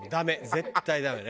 絶対ダメね